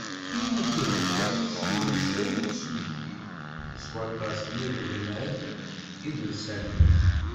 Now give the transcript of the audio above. Tin i d-iheggan sin wussan n usmekti, s waṭas n yiremad idelsanen.